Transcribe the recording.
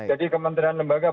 jadi kementerian lembaga